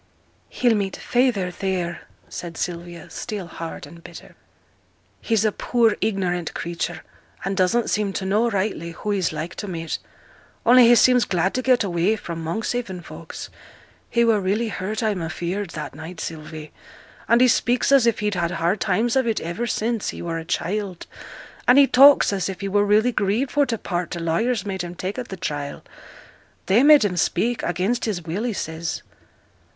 'He'll meet feyther theere,' said Sylvia, still hard and bitter. 'He's a poor ignorant creature, and doesn't seem to know rightly who he's like to meet; only he seems glad to get away fra' Monkshaven folks; he were really hurt, I am afeared, that night, Sylvie, and he speaks as if he'd had hard times of it ever since he were a child, and he talks as if he were really grieved for t' part t' lawyers made him take at th' trial, they made him speak, against his will, he says.'